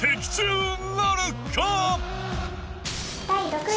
第６位。